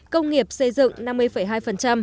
công nghiệp xây dựng năm mươi hai